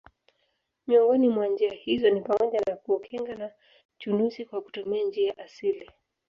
Miongoni mwa njia hizo ni pamoja na kuukinga na chunusi kwa kutumia njia asili